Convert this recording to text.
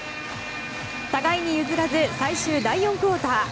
互いに譲らず最終第４クオーター。